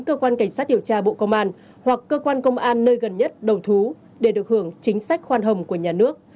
công an hoặc cơ quan công an nơi gần nhất đầu thú để được hưởng chính sách khoan hồng của nhà nước